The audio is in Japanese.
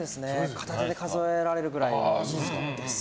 片手で数えられるくらいです。